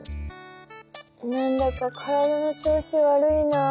なんだか体の調子悪いなあ。